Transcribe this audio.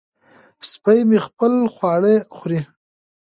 سپی مې خپل خواړه خوري.